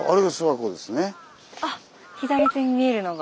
あっ左手に見えるのが。